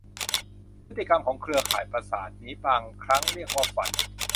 พฤติกรรมของเครือข่ายประสาทนี้บางครั้งเรียกว่าฝัน